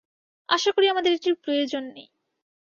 আশা করি আমাদের এটির প্রয়োজন নেই।